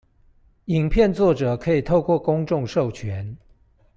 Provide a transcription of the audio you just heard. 影片作者可以透過公眾授權